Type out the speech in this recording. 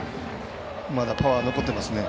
まだパワー残ってますね。